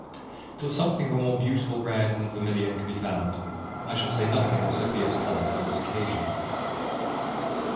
Till something of a more beautiful red than vermilion be found out, I shall say nothing of Sophia's colour on this occasion.